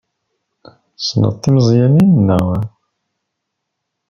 Tessneḍ timeẓyanin, naɣ?